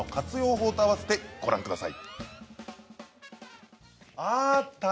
法とあわせてご覧ください。